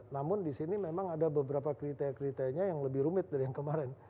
namun disini memang ada beberapa kriteria kriterianya yang lebih rumit dari yang kemarin